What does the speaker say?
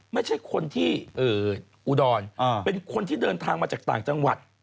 ไม่ใช่คนที่อุดรเป็นคนที่เดินทางมาจากต่างจังหวัด